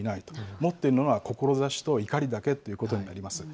持っているのは志と怒りだけということになります。